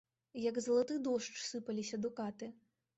Як залаты дождж, сыпаліся дукаты.